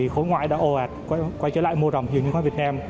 khối ngoại đã ô ạc quay trở lại mua rồng như việt nam